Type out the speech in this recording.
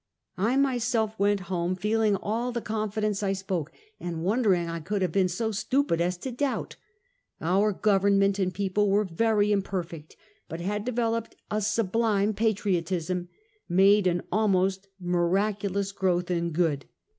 " I myself went home feeling all the confidence I spoke, and wondering I could have been so stupid as to doubt. Our Government and people were very im perfect, but had developed a sublime patriotism — made an almost miraculous growth in good.